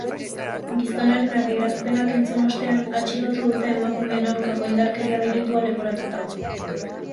Gizonaren adierazpenak entzun ostean, atxilotu dute emakumeen aurkako indarkeria delitua leporatuta.